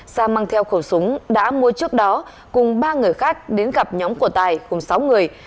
sa mang theo khẩu súng đã mua trước đó cùng ba người khác đến gặp nhóm của tài cùng sáu người